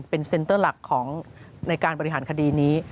เป็นเซ็นเตอร์หลักของในการบริหารคดีนี้